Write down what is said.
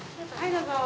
どうぞ。